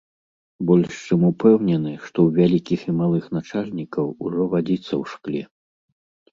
Больш чым упэўнены, што ў вялікіх і малых начальнікаў ужо вадзіца ў шкле.